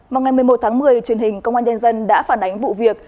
vào ngày một mươi một tháng một mươi truyền hình công an nhân dân đã phản ánh vụ việc